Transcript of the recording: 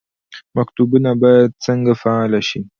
مکتبونه باید څنګه فعال شي؟